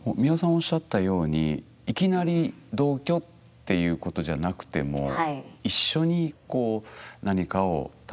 おっしゃったようにいきなり同居っていうことじゃなくても一緒にこう何かを楽しむ。